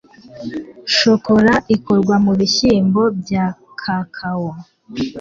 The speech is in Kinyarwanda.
shokora ikorwa mu bishyimbo bya kakao